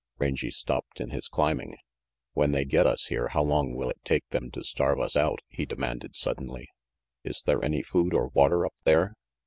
Rangy stopped in his climbing. "When they get us here, how long will it take them to starve us out?" he demanded suddenly. "Is there any food or water up there?"